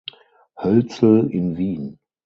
Hölzel in Wien.